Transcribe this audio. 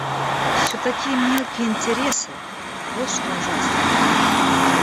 Все такие мелкие интересы, вот что ужасно!